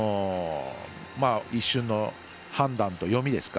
一瞬の判断と読みですか。